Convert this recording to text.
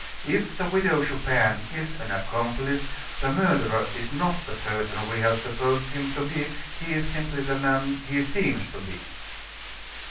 If the Widow Chupin is an accomplice, the murderer is not the person we have supposed him to be; he is simply the man he seems to be."